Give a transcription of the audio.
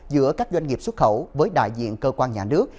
giữa các doanh nghiệp xuất khẩu với đại diện cơ quan nhà nước